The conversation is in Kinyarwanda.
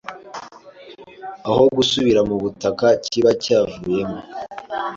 Aho gusubira mu butaka kiba cyavuyemo